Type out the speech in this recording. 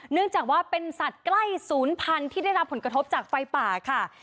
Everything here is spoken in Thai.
เนื่องจากว่าเป็นสัตว์ใกล้ศูนย์พันธุ์ที่ได้รับผลกระทบจากไฟป่าค่ะ